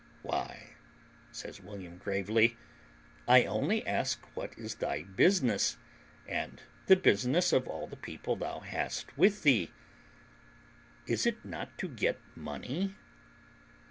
"Why," says William gravely, "I only ask what is thy business, and the business of all the people thou hast with thee? Is it not to get money?"